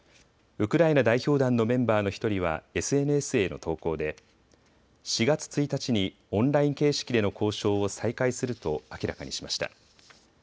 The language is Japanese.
ウクライナ代表団のメンバーの１人はＳＮＳへの投稿で４月１日にオンライン形式での交渉を再開すると明らかにしました。